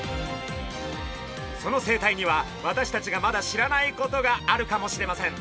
その生態には私たちがまだ知らないことがあるかもしれません。